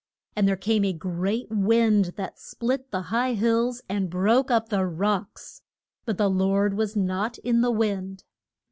And there came a great wind that split the high hills, and broke up the rocks. But the Lord was not in the wind.